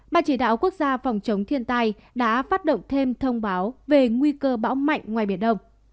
ban chỉ đạo quốc gia phòng chống thiên tai đã phát động thêm thông báo về nguy cơ bão mạnh ngoài biển đông